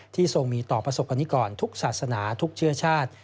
ทรงมีต่อประสบกรณิกรทุกศาสนาทุกเชื้อชาติ